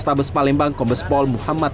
tindakan lanjut seperti apa